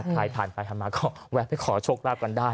ถ่ายทันถ่ายธรรมาก็แวะไปขอโชคลาบกันได้